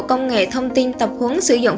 công nghệ thông tin tập huấn sử dụng